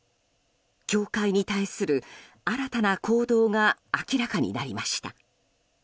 教会に対する新たな行動が明らかになりました。